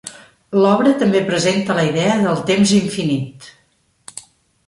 L'obra també presenta la idea del temps infinit.